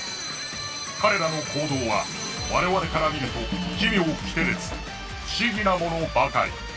彼らの行動は我々から見ると奇妙きてれつ不思議なものばかり。